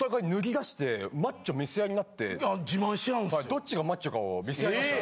どっちがマッチョかを見せあいました。